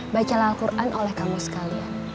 baca al quran oleh kamu sekalian